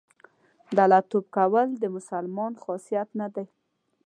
دله توب کول د مسلمان خاصیت نه دی.